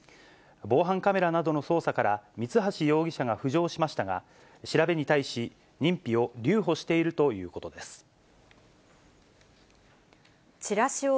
防犯カメラなどの捜査から、三橋容疑者が浮上しましたが、調べに対し、認否を留保しているということです。